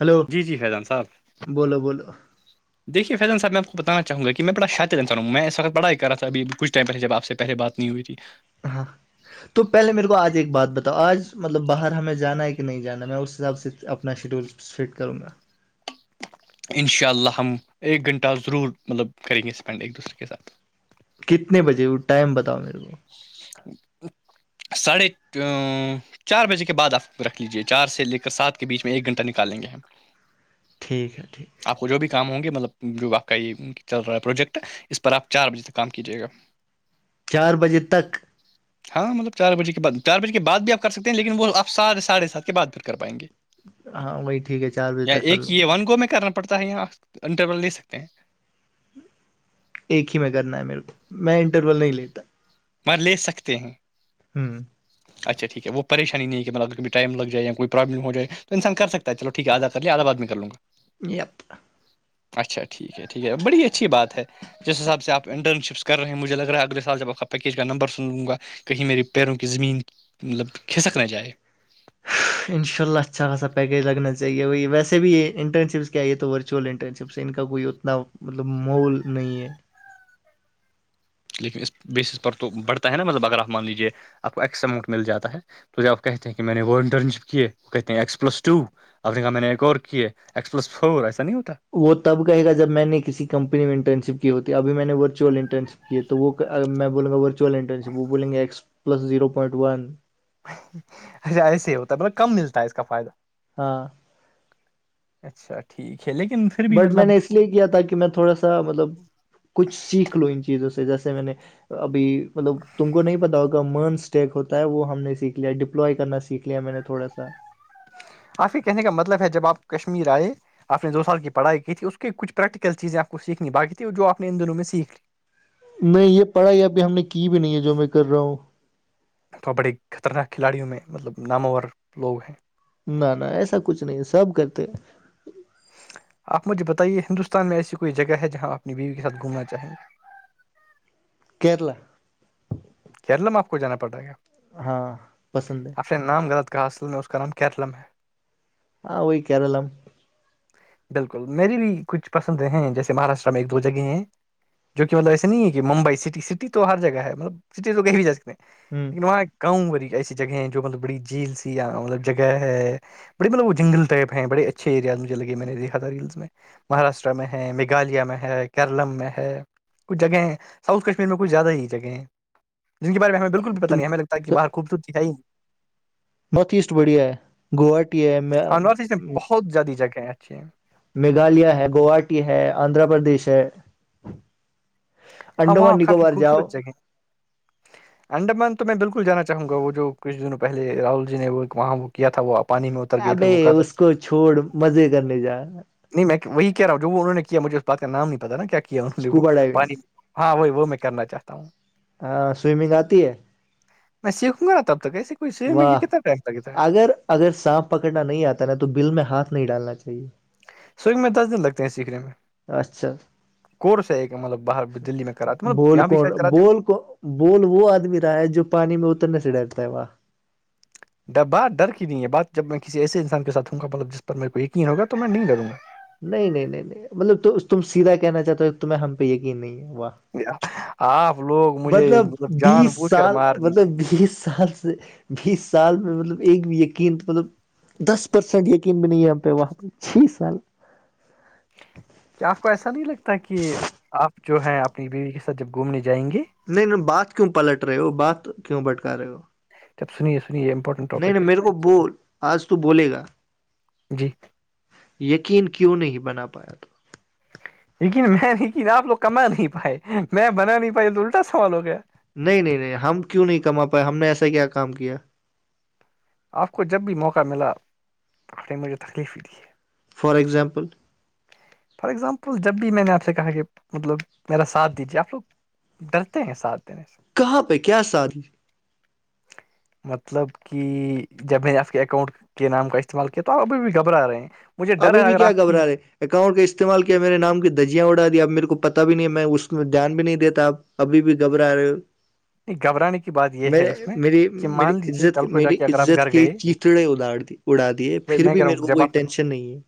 hello جی جی فیضان صاحب بولو بولو دیکے فیض صاحب آپ بتانا چوں گا کہ میںڑااد انر ہوں میں اس وتڑھائی کرا تھابھی ک ٹائ پہل جب آ سےہلے بات نہیں ہوی ہاں تو پہلے میرے کو آج ایک بات بتاؤ آج مطلب باہر ہمیں جانا ہے کہ نہیں جانا میں اس حساب سے اپنا شیڈیول فٹ کروں گا ان شاء اللہ ہم ایک گھنٹہ ضرور مطلب کریں گے اسپینڈ ایک دوسرے کے ساتھ کتنے بجے وہ ٹائم بتاؤ میرے کو ساڈ ھے ا چار بجے کے بعد آپ رکھ لیجے چار سے لے کر سات کے بیچ میں ایک گھنٹہ نکال لیں گے ہم ٹھیک ہے ٹھیک ہے آپ کو جو بھی کام ہوں گے مطلب جو آپ کا یہ چل رہا ہے پروجیکٹ ہے اس پر آپ چار بجے تک کام کیجیے گا چار بجے تک ہاں مطلب چار بجے کے بد چار بجے کے بعد بھیپ کر سکتے ہیں لیکن وہ آپ سات ساڑھے سات کے بعد پھر کر پائیں گے ہاں وہی ٹھیک ہے چار بجے یا تک کر ایک لوں یہ گا ون گو میں کرنا پڑتا ہے انٹر لے سکتے ہیں ایک ہی میں کرنا ہے میرے کو میں انٹرول نہیں لیتا پر لے سکتے ہیں ہوں [unintelligible] اچھا ٹھیک ہے وہ پریشانی نہیں ہے کہطلبگر کب ٹائمگ جائے یا کوئی پرابلم ہو جائے تو انسان کر سکتا چو ٹھیک آدا کر ل آد آ باد میں کر لوںا پ [unintelligible] اچا ٹھیک ٹھیک بڑی اچھی بات ہے جس حساب سے آپ انٹرنشپس کرے ہیں مجے لگا ہے اگے سال جب پیکیج کا نمبر سن لوں گا کہیں میرے پیروں کی زمین مطلب کھسک نہ جائے انشاء اللہ اچھا پیکیج لگنا چاہیے وہی ویسے بھی یہ انرشپس کیا یہ تو ورچوولل انٹرن شپس ان کا کوئی نہ مطلب محول نہیں ہے لیکن اس بیس پر تو بڑھتا ہے نا مطلب اگر آپ مان لیجیے آپ کو ایکس اماؤٹ مل جاتا ہے تو آپ کہتے ہیں کہ میں نےٹرن شپ کیے وہ کہتے ہیں ایکس پلس ٹو اب دیکھا میں نے ایک اور کیے ایکس پلس فور ایسا نہیں ہوتا وہ تب کہےا جب میں نے کسی کمپنی میں انٹرن شپ کی ہوتی ہے ابھی میں نے ور ورچ انٹرن شپ کی ہے تو وہ میں بولوں گاورچل انٹرنشپ وہ بولیں گے x plus zero point one اچھا ایسے ہی ہوتا ہے ب کم ملتا ہے اس کا فائدہ ہاں اچھا ٹھیک ہے لیکن پھر بھی بٹ مطلب میں نے اس لیے کیا تھا کہ کہ میں تھوڑا سا مطلب کچھ سیکھ لو ان چیزوں سے جیسے میں نے ابھی مطلب تم کو نہیں پتا ہوگا مرنسٹیک ہوتا ہے وہ ہم نے سیکھ لیا ڈپلوائی کرنا سیکھ لیا میں نے تھوڑا سا کافی کہنے کا مطلب ہے جب آپ کشمیر آئے آپ نے دو سال کی پڑھائی کی تھی اس کی کچھ پریکٹیکل چیزیں آپ کو سیکھنی بقی تھھی جو آپ نے ان دنوں میں سیکھ لیھی نہیں یہ پڑھائی ابھی ہم نے کی بھی نہیں ہے جو میں کر رہا ہوں تو بڑے خطرناک کھلاڑیوں میں مطلب ناموںور لوگ ہیں نہ نہ ایسا کچھ نہیں سب کرتے آپ مجھے بتائیے ہندوستان میں ایسی کوئی جگہ ہے جہاں آ اپنی بیوی کے ساتھ گھومنا چاہیںے کیرلا [unintelligible] کیللا میں آپ کو جانا پڑ رہے گا ہاں پسند ہے آپ نے نام غلط کہا اصل میں اس کا نام کیرلم ہے ہاں وہی کیار لم بالکل میری بھی کچھ پسند ہیں جیسے مہاراشٹر میں ایک دو جگہ ہیں جو کہ مطلب ایسے نہیں ہے کہ ممبئی سٹی سٹی تو ہر جگہ ہے مطلب سٹی تو کہیں بھی جا سکتے ہیں لیکن ہ وہاں کااؤںی ایسی جگہیں ہیں جو مطلب بڑی جھیل سی مطلب جگہ ہے بڑے ملب وہ جنل ٹائپ ہیںڑے اچھے ایریازجھے لگے میں نےیکھا تھا ہلز میں مہاراشٹرا میں ہے میگھالیہ میں ہے کیرلمم میں ہے کچھ جگہ ہیں ساؤھ کشمیر میں کچھ زیادہ ہی جگہ ہیں جن کےار میں ہم بالکل بھی پت نہیں ہمیں لگتا کہ باہ خوبصورتی ہے ہی نہیں نارتھ ایسٹ بڑھیا ہے گوہاٹی ہے ہاں نارتھ ایسٹ میں بہت زیادی جگیںچ میگھالیہ ہے گواٹی ہے آندھرا پردیش ہے ہاں انڈمان وہاں کافی نکوبار جاؤ انڈرمان تو میں بالکل جانا چاہوں گا وہ جو کچھ دنوں پہے راہل جی نے وہاں وہ کیا تھا وہ پانی میں اتر گئے پھر وہ ابائی کر رہے اس کو چھوڑ مزے کرنے جا نہیں میں وہی کہہ رہا ہوں جو وہ انہوں نے کیا مجھے اس بات کا نام نہیں پتا نا کیا کیا انہوں نے وہ اسکوبا ڈائیونگ پانی ہاں وہی وہ میں کرنا چاہتا ہوں ہاں سوئمنگ آتی ہے میں سیکھوں گا تب تو سیک واہ اگر اگر سانپ پکڑنا نہیں آتا نا تو بل میں ہاتھ نہیں ڈالنا چاہیے سوکھ میں تزد لگتے ہیں سیکھنے میں اچھا کورس ہے ایک مطلب باہر دلی میں کراتا م بول یہاں بھیہ کون شاید کراتے بول کو بول وہ آدمی رہا ہے جو پانی میں اترنے سے ڈرتا ہے وہاں بات ڈر کی نہیں ہے بات جب میں کسی ایسے انسان کے سھ ہوں گا مطل جس پر میرے کو یقین ہوگا تو میں نہیں کروں گا نہیں نہیں نہیں نہیں مطلب تو تم سیدھا کہنا چاہتے ہو تمہیں ہم پہ یقین نہیں ہے وہاہ [unintelligible] آپ لوگ مجھے مطلب جان بیس بوجھ کر سال مار دیں گے مطلب بیس سال سے بیس سال میں مطلب ایک بھی یقین مطلب دس پرسینٹ بھی نہیں ہے ہم پہ وہاں پہ چھ سال کیا آپ کو ایسا نہیں لگتا کہ آپ جو ہے اپنی بیوی کے ساتھ جب گھومنے جائیں گے نہیں نہیں بات کیوں پلٹ رہے ہو بات کیوں بٹکا رہے ہو تب سنی سنیم پ پر نہیں نہیں میرے کو بول آج تو بولے گا جی یقین کیوں نہیں بنا پایا تھا لیکن میں لیکن آپ ل کما نہیں پائے میں بنا نہیں پائی تو الٹا سوال ہو گیا نہیں نہیں نہیں ہم کیوں نہیں کما پائے ہم نے ایسا کیا کام کیا آپ کو جب بھی موقع ملا تو آپ نے مجھے تکلیف ہی دی فار اگزامپل فار ایگزامپل جب بھی میں نے آپ سے کہا کہ مطلب میرا ساتھ دیجیے آپ لوگ ڈرتے ہیں ساتھ دینے سے کہاں پہ کیا ساد مطلب کہ جب میں آپ کے اکاؤنٹ کے نام کا استعمال کیا تو آپ ابھی بھی گھبرا رہے ہیں مجھے ڈر ابھی ہے بھی اگر کیا آپ کی گھبرا رہے اکاؤنٹ کا استعمال کیا میرے نام کی دجیاں اڑا د دی اب میرے کو پتا بھی نہیں میں اس میں دھیان بھی نہیں دیتا اب ابھی بھی گھبرا رہے ہو نہیں، گھبرانے کی بات یہ مے ہے اس میں میری کہ میری مان لیجیے عزت کل کو جا میری کے اگر آپ عزت گھر کی گئے چیتڑیں ادھڑ دیھی اڑا دیے پھر میں بھی کہہ رہا ہوں میرے کو جب آپ کوئی ٹینشن نہیں ہے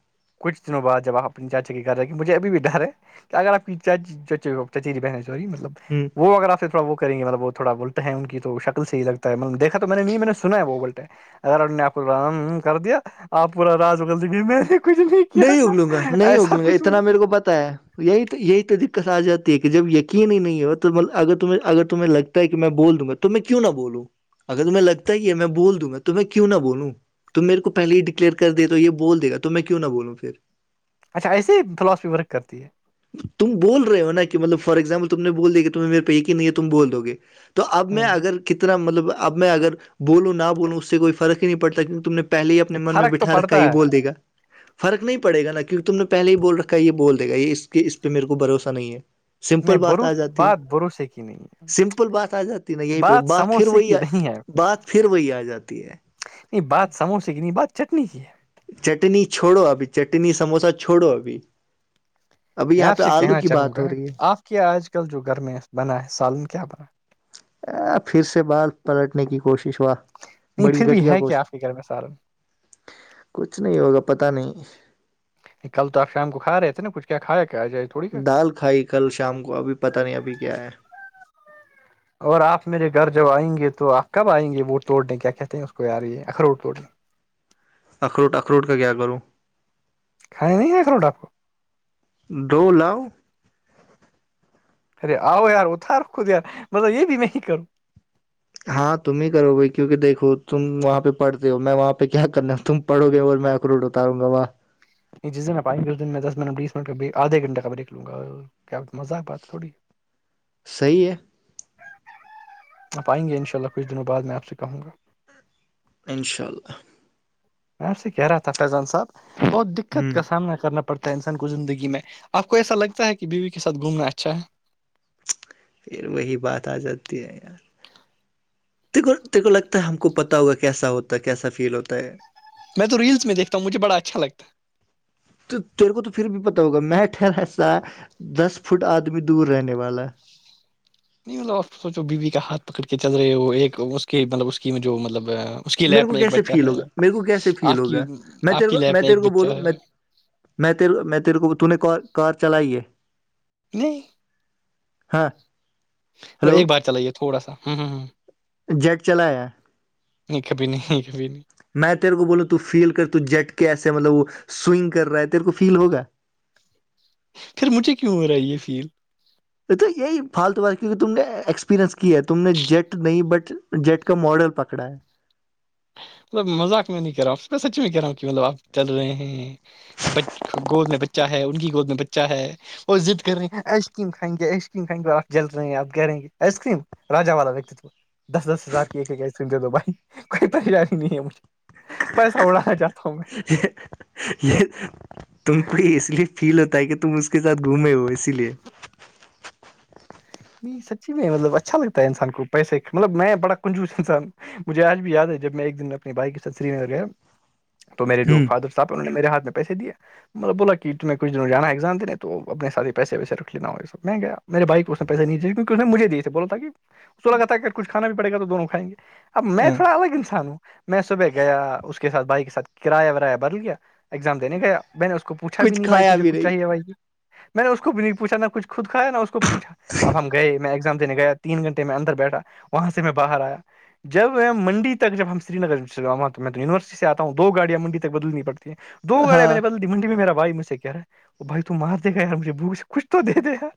کچھ دنوں بع جب آپ اپنی چاچای کر رہے کہ مجھے ابھی بھی ڈر ہے اگر آپ کی چچیری بہنیں سوری مطلب ہوں [inaudible] اار نے آپ رام کر دیا آپ پورا را گندگی میں کچھ نہیں کیا تھا اگلوں گا نہیں ایسا اگلوں گا کچھ اتنا میرے کو پتا ہے یہی تو یہی تو دقت آ جاتی ہے کہ جب یقین ہی نہیں ہو تولب اگر تہ اگر تمہیں لگتا کہ میں بول دوں گا تو میں کیوں نہ بولوں اگر تمہیں لگتا ہے کہ میں بول دوںا تو میں کیوں نہ بولوں تم میرے کو پہل ہی ڈکلیئر کر دے تو یہ بول د گا تو میں کیوں نہ بولوں پھر اچھا ایسے ہی فلاسفی ورک کرتی ہے تم بول رہ ہو نا کہطلب فار ایگزامپل تم نے بولیا کہ تمہیں میر پہیقین نہیں ہے تم بول دو گے تو اب ہ میں اگر کتنا مطلب اب میں اگر بولوں نہ بولوں اس سے کوئی فرق ہی نہیں پڑتا کیونکہ تم نے پہل ہی اپنے من میں فرق تو بٹھا رکھا پڑتا یہ ہے بول دےا فرق نہیں پڑے گا کیونکہ تم نےہے ہی بول رکھ ہے یہ بول دے گا یہ اس کہ اس پہ میرے کو بھروسہ نہیں ہے نہیں سمپل بات بروس آ جاتی بات بھروسے کی نہیں ہے سمپل بات آ جاتی نا یہی پہ بات پھر سموسے وہی کی نہیں ہے بات پھر وہی آ جاتی ہے نہیں بات سموسے کی نہیں بات چٹنی کی ہے چٹنی چھوڑو ابھی چٹنی سموسا چھوڑو ابھی ابھی یہاں پہ آلو کی بات ہو رہی ہے کہ آج کل جو گرمیں بنا ہے سالن کی کیا بنا ہے پھر سے بال پلٹنے کی کوشش ہوا نہیں بڑی پھر بھی گٹیا ہے کہ کوش آپ کے گھر میں سالن کچھ نہیں ہوگا پتا نہیں کل تو آپ شام کو کھا رہے نا کچھ کیا کھایا کیا آ جائے تھوڑی کا دال کھائی کل شام کو ابھی پتہ نہیں ابھی کیا ہے اور آپ میرے گھر جب آئیں گے تو آپ کب آئیں گے وہ توڑنے کیا کہتے ہیں اس کو یار یہ اخروٹ توڑنے اخروٹ اخروٹ کا کیا کروں کھا نہیں ہے کر روٹ آپ کو دو لو ارے آؤ یار اتھار خود یار مطسب یہ بھی میں کروں ہاں تم ہی کرو گے کیوںکہ دیکھو تم وہاں پہ پڑتے ہو میں وہاں پہ کیا کرنا تم پڑو گے اور میں اخروٹ اتاروں گااں جس دن میں پائ گےھر اس دن میں دس منٹ بیس منٹ کا آدھے گھنٹہ کا میںیکھ لوں گا کیا مذاقات تھوڑی صحیح ہے آپ آئیں گے انشاء اللہ کچھ دنوں بعد میں آپ سے کہوں گا انشاء اللہ میں سے کہہ رہا تھا فیضان صاحب بہت دقت ہ کا سامنا کرنا پ پڑتا انسان کو زندگی میں آپ کو ایسا لگتا ہے کہ بیوی کے ساتھ گھومنا اچھا ہے پھر وہی بات آ جاتی ہے یار تیکو تیکھو لگتا ہے ہم کو پتا ہوا کیسا ہوتا ہے کیسا فیل ہوتا ہے میں تو ریل میں دیکھتا ہ مجھےڑا اچھا لگ ہے تو تیرے کو تو پھر بھی پتا ہوگا میں ٹھہرا سا دس فٹ آدمی دور رہنے والا نہیں مطلب آپ سوچو بیوی کا ہاتھ پکڑ کے چل رہے ہو ایک اس کے مطلب اس کی جو مطلب کی میرے لیب کو میں ایک کیسے بچہ فیل ہے ہوگا میرے کو کیسے فیل آپ کی ہوگا میں آپ تیرے کی کو لیب میں تیرے ایک کو بچہ بولوں میں ہے میں تیر میں تیرے کو تو نے ک کار چلائی ہے نہیں ہاں ہلو ایک بار چلائیے تھوڑا سا ہ ہوں ہ جیٹ چلایا ایک بھی نہیں ایک بھی نہیں میں تیرے کو بولوں تو فیل کر ت جٹ کے ایسے مطلب وہ سوئنگ کر رہا ہے تیرے کو فیل ہوگا پھر مجھے کیوں ہو رہا ہے یہ فیل ا تو یہی فالتو بات کیونکہ تم نے ایکسپیریئنس کی ہے تم نے جیٹ نہیں بٹ جیٹ کا ماڈل پکڑا ہے مطلب مذاق میں نہیں کہہ رہا ہوں پ سچی میں کہہ رہا ہوں کہ مطلب آپ چل رہے ہیں ب گود میں بچہ ہے ان کی گود میں بچہ ہے اور ضد کر رہی ہیں آئس کریم کائیں گے آئس کریمھائیں گے آپ جل رہے ہیں آ گہ رہیں گے آئس کریم را والا وتو دس دس ہزار کی ایک ایک آئس کریم دے دو بھائی کوئی پریشانی نہیں ہے مجھے ہ پیسہ اڑانا چاہتا ہوں میں [unintelligible] یہ تم کو اس لیے فیل ہوتا ہے کہ تم اس کے ساتھ گھومے ہو اسی لیے نہیں سچی میں مطلب اچھا لگتا ہے انسان کو پیسے مطلب میں بڑا کنجوس انسان مجھے آج بھی یاد ہے جب میں ایک دن اپنے بھائی کے ساتھ سری نگر گیا تو میرے جو ہ فادر پاپا نے میرے ہاتھ پیسے مطلب بولا کہ تمہیں کچھنوں جاگزام دینے تو اپنے سات ہی پیے ویسے رکھ لینا ہو یہ سب میں گیا میرے بائی کو پیسہ نہیںے کیکہ نے مجھے دیے بولا تھا کہ اس کو لگا تھا کہ کچھانا بھی پڑ گا تو دونوں کھائیں گے اب میں تھوڑا الگ انسان ہوں میں صبح گیا اس کے ساتھ بائک کے ساتھ کرایہ ورایہ بد گیا ایگزام دینے گیا میں نے اس کووھا بھی کچھ نہیں بائی کھایا تجھے بھی کچ چاہیے نہیں بھائی یہ میں نے اس کو بھی نہیں پوھا نہ کچ خود کایا نہ اس کووھا اب ہم گئے میں ایگزام دینے گیا تین گھنٹے میں اندر بیٹھا وہاں سے میں باہر آیا جب منڈی تک جب ہم سرینگر چلوا تو میں تو یونیورسٹی سے آتا ہوں دو گاڑیاں مڈی تک بدلنی پڑتی دو گاڑ م میں ہاں نے بت دی منی میں میرا بھائی مج سے کہہ رہ ہے وہ بائی تو مار د گا ار مجے بھوک سے کچ تو دے دےیار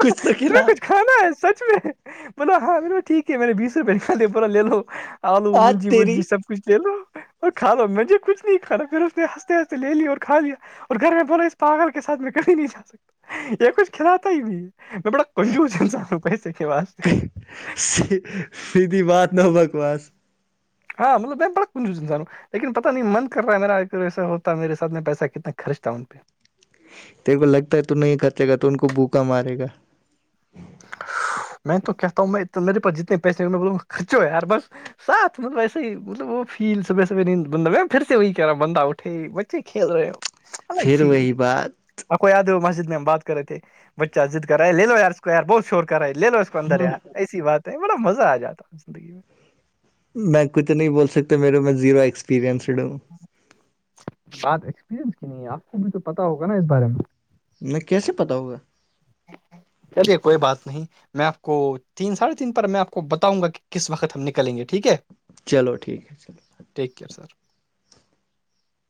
کچھ تو کھلا کچھ ہ نا سچ میں ب ہاں م ٹھیک ہے میں نے بیسو روپ لکھا د پورا لے لو آلو آج مجی بجی تیری سب کچھ لے لو اور کھاو مجھے کچھ نہیں کھانا پھر اس نے ہنستے ہنستے لے لییا اور کھا لیا اور گھر میں بولاو اس پاگل کے ساتھ میں کہھی نہیں جا سکتا یہ کچھ کھلاتا ہی نہیں میں بڑا کنجوس انسانوں پ سیکھے واسے سیددھی بات ن بکوس ہاں مطلبم پ ک چ س انان لیکن پتا نہیں من کر رہا ہے میرا ایک ایسا ہوتا میرے ساتھ میں پیسہ کتنا خرچ تھا ان پہ تیرے کو لگتا ہے تو نہیں خرچے گا تو ان کو بوکا مارے گا میں تو کہتا ہوں میں میرے پاس جتنے پیسے ہو میں بولوں گ خرچ ہو ار بس ساتھ مطلب ایسے ہی ملب وہ فیل صبح سبح بند پھر سے وہی کہہ رہا بند اٹے بچے کھیل رہے ہو الگ پھر فیل وہی بات ا کو یاد ہو مسجد میں ہم بات کرے تھے بچہ جد کرا ہے لے لو یار سے یار بہت شور کرا ہے لے لو اس کو اندر یار ایسی بات ہے بڑا مزہ آ جاتا زندگی میں میں کچھ نہیں بول ستا میرے میں زیرو ایکسپیریئنسڈ ہوں بات ایکسپیرئنس کی نہیں ہے آپ کو بھی تو پتا ہوگا نا اس بارے میں نہیں کیسے پتا ہوگا چلیے کوئی بات نہیں میں آپ کو تین ساڑھے تین پر میں آپ کو بتاؤں گا کہ کس وقت ہم نکلیں گے ٹھیک ہے چلو ٹھیک ہے چلو ٹیک کیئر سر